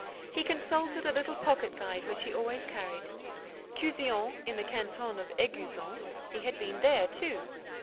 He consulted a little pocket guide which he always carried. Cuzion, in the canton of Éguzon—he had been there too.